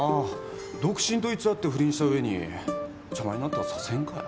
独身と偽って不倫したうえに邪魔になったら左遷かよ。